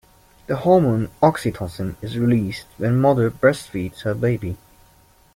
The hormone oxytocin is released when a mother breastfeeds her baby.